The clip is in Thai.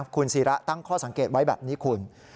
คุณศิระตั้งข้อสังเกตไว้แบบนี้คุณ